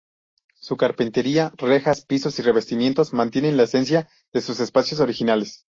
Su carpintería, rejas, pisos y revestimientos mantienen la esencia de sus espacios originales.